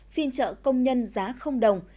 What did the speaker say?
phiên trợ công nhân giá đồng